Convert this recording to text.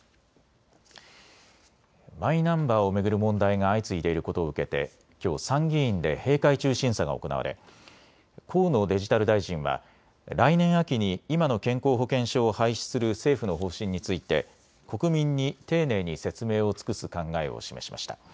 マイナンバーを巡る問題が相次いでいることを受けてきょう参議院で閉会中審査が行われ、河野デジタル大臣は来年秋に今の健康保険証を廃止する政府の方針について国民に丁寧に説明を尽くす考えを示しました。